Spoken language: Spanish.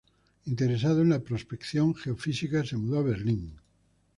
Interesado en la prospección geofísica se mudó a Berlín.